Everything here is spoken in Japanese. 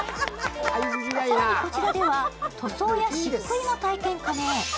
更にこちらでは塗装やしっくいも体験可能。